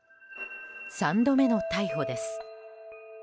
３度目の逮捕です。